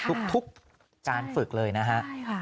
ทุกการฝึกเลยนะฮะ